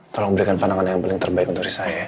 tolong berikan pandangan yang paling terbaik untuk risa ya